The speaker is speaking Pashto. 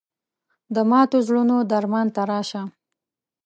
د ماتو زړونو درمان ته راشه